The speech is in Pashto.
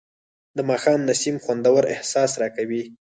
د ماښام نسیم خوندور احساس راکوي